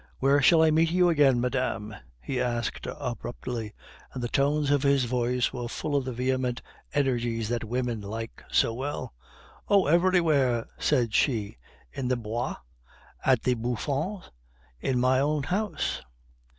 "Where shall I meet you again, Madame?" he asked abruptly, and the tones of his voice were full of the vehement energy that women like so well. "Oh, everywhere!" said she, "in the Bois, at the Bouffons, in my own house."